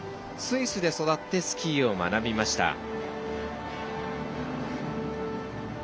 スイスで育ってスキーを学びました。